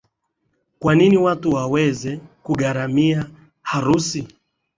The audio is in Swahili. Kwa nini watu waweze kugharimia harusi.